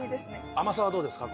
甘さはどうですか？